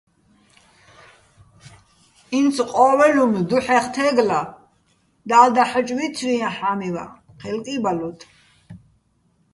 ინც ყო́ველ უ̂მ დუჰ̦ეჲვხ თეგლა, და́ლ დაჰაჭ ვიცვიეჼ ჰ̦ამივაჸ, ჴელ კი ბალოთ.